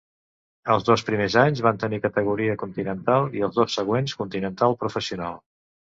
Els dos primers anys va tenir categoria continental i els dos següents continental professional.